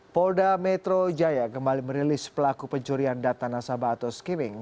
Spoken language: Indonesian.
polda metro jaya kembali merilis pelaku pencurian data nasabah atau skimming